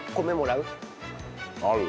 ある？